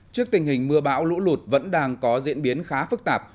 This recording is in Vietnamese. trước tình hình mưa bão lũ lụt vẫn đang có diễn biến khá phức tạp